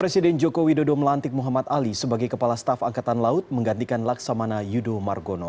presiden joko widodo melantik muhammad ali sebagai kepala staf angkatan laut menggantikan laksamana yudo margono